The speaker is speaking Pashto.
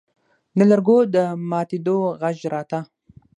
د لرګو د ماتېدو غږ راته.